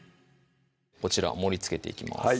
こちら盛りつけていきます